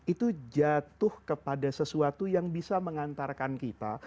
itu jatuh kepada sesuatu yang bisa mengantarkan kita